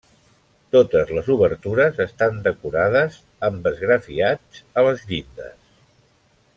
Totes les obertures estan decorades amb esgrafiats a les llindes.